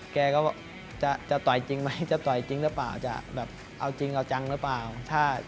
แกก็จะต่อยจริงไหมจะต่อยจริงหรือเปล่าจะแบบเอาจริงเอาจังหรือเปล่า